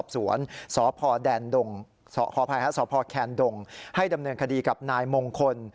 สอบสวนสพแคนดงให้ดำเนินคดีกับนายมงคล